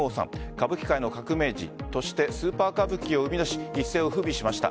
歌舞伎界の革命児としてスーパー歌舞伎を生み出し一世を風靡しました。